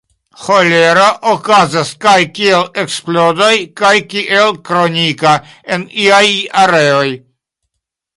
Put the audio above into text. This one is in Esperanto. Ĥolero okazas kaj kiel eksplodoj kaj kiel kronika en iaj areoj.